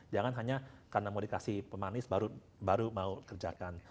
jangan hanya karena mau dikasih pemanis baru mau kerjakan